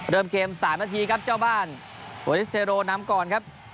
เริ่มเกม๓นาทีครับเจ้าบ้านอัตโนเรียสเทโรลน้ำกรครับ